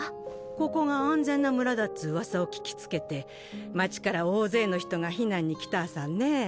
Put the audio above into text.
ここが安全な村だっつぅうわさを聞きつけて街から大勢の人が避難に来たぁさんね。